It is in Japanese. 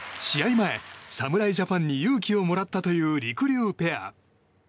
前、侍ジャパンに勇気をもらったというりくりゅうペア。